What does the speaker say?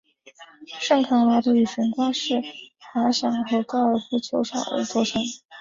圣康拉多以悬挂式滑翔和高尔夫球场而着称。